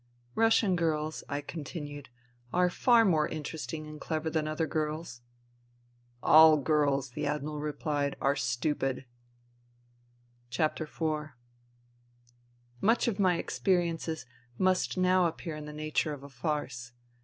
" Russian girls," I continued, " are far more inter esting and clever than other girls." " All girls," the Admiral replied, " are stupid.'* IV Much of my experiences must now appear in the nature of a farce.